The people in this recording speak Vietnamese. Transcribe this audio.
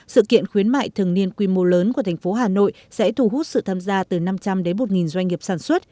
sự kiện khuyến mại thường niên quy mô lớn của thành phố hà nội sẽ thu hút sự tham gia từ năm trăm linh đến một doanh nghiệp sản xuất